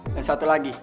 dan satu lagi